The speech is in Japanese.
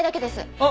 あっ！